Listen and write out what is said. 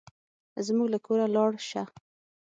زموږ له کوره لاړ شه.